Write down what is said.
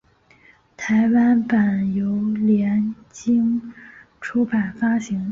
台湾版由联经出版发行。